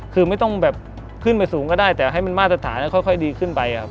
คือไม่ต้องแบบขึ้นไปสูงก็ได้แต่ให้มันมาตรฐานค่อยดีขึ้นไปครับ